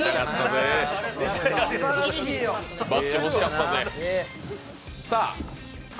バッジ欲しかったね。